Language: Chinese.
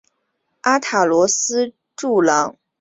阿塔罗斯柱廊兴建。